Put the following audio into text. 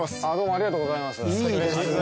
ありがとうございます。